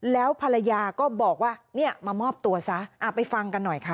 แล้วภรรยาก็บอกว่าเนี่ยมามอบตัวซะไปฟังกันหน่อยค่ะ